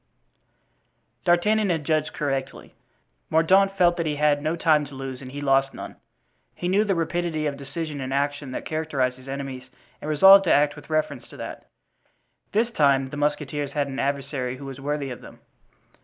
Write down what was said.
D'Artagnan had judged correctly; Mordaunt felt that he had no time to lose, and he lost none. He knew the rapidity of decision and action that characterized his enemies and resolved to act with reference to that. This time the musketeers had an adversary who was worthy of them.